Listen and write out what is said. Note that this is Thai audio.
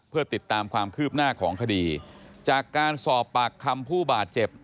เพื่อติดตามความคืบหน้าของคดีจากการสอบปากคำผู้บาดเจ็บ